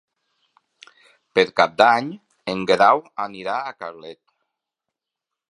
Per Cap d'Any en Guerau anirà a Carlet.